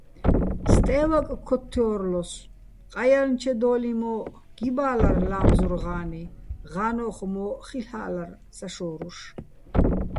სტე́ვაკ ქოთთჲო́რლოსო̆, ყაჲაჲლჩედო́ლიჼ მო́ჸ გიბა́ლარ ლა́მზურ ღა́ნი, ღა́ნოხ მო́ჸ ხილ'ა́ლარ საშო́რუშ.